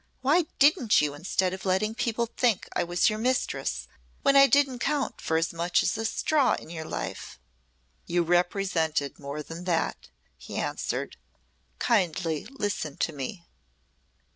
Why didn't you instead of letting people think I was your mistress when I didn't count for as much as a straw in your life?" "You represented more than that," he answered. "Kindly listen to me."